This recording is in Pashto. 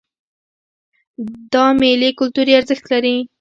دا میلې کلتوري ارزښت لري.